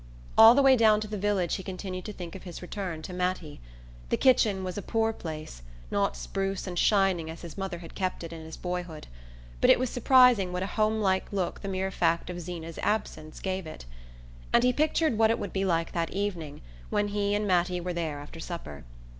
All the way down to the village he continued to think of his return to Mattie. The kitchen was a poor place, not "spruce" and shining as his mother had kept it in his boyhood; but it was surprising what a homelike look the mere fact of Zeena's absence gave it. And he pictured what it would be like that evening, when he and Mattie were there after supper.